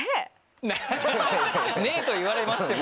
「ねぇ」と言われましても。